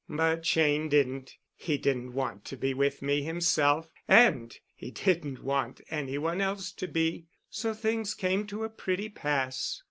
But Cheyne didn't. He didn't want to be with me himself—and he didn't want any one else to be. So things came to a pretty pass.